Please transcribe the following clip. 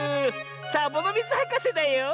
サボノミズはかせだよ！